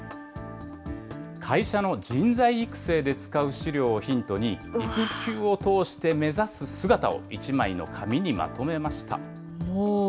会社の人材育成で使う資料をヒントに、育休を通して目指す姿を、１枚の紙にまとめました。